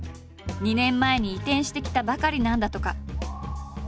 ２年前に移転してきたばかりなんだとか。